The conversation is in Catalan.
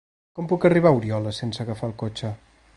Com puc arribar a Oriola sense agafar el cotxe?